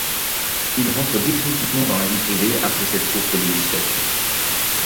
Il rentre définitivement dans la vie privée après cette courte législature.